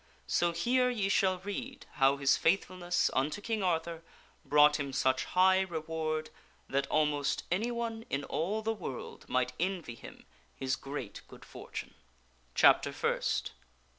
So here ye shall read how his faithfulness unto King Arthur brought him such high reward that almost anyone in all the world might envy him his great good fortune. irGaroatnetipSonof Lot, KragofOi$ney:' Chapter First.